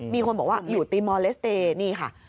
มีคนบอกว่าอยู่ตีมอลเลสเตย์นี่ค่ะ